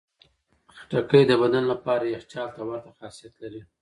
خټکی د بدن لپاره یخچال ته ورته خاصیت لري.